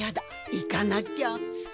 行かなきゃ。